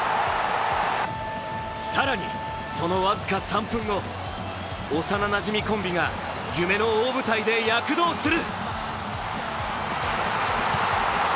更に、その僅か３分後、幼なじみコンビが夢の大舞台で躍動する。